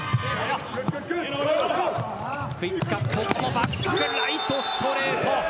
バックライト、ストレート。